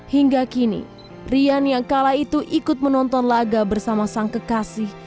hingga kini rian yang kala itu ikut menonton laga bersama sang kekasih